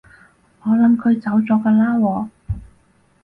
我諗佢走咗㗎喇喎